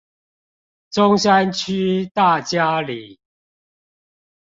中山區大佳里